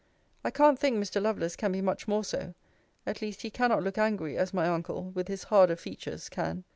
I can't think Mr. Lovelace can be much more so; at least he cannot look angry, as my uncle, with his harder features, can.